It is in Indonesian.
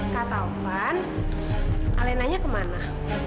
kak taufan alenanya kemana